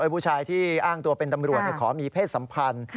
ผู้ชายที่อ้างตัวเป็นตำรวจขอมีเพศสัมพันธ์